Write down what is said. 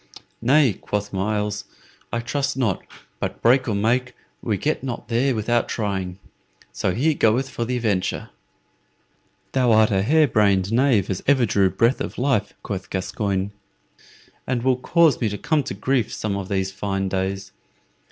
"Nay," quoth Myles, "I trust not; but break or make, we get not there without trying. So here goeth for the venture." "Thou art a hare brained knave as ever drew breath of life," quoth Gascoyne, "and will cause me to come to grief some of these fine days.